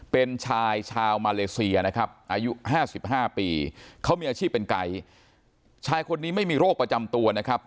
เป็นชายชาวมาเลเซียนะครับอายุห้าสิบห้าปีเขามีอาชีพเป็นไกด์ชายคนนี้ไม่มีโรคประจำตัวนะครับ